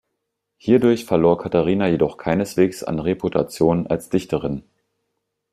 Hierdurch verlor Katharina jedoch keineswegs an Reputation als Dichterin.